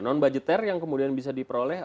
non budgeter yang kemudian bisa diperoleh